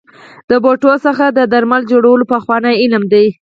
د بوټو څخه د درملو جوړول پخوانی علم دی.